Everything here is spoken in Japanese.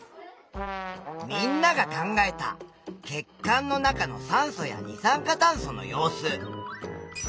みんなが考えた血管の中の酸素や二酸化炭素の様子。